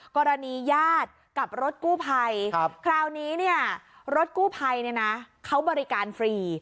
ญาติกับรถกู้ภัยคราวนี้เนี่ยรถกู้ภัยเนี่ยนะเขาบริการฟรี